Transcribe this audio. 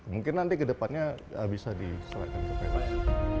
mungkin nanti ke depannya bisa diselakan ke pln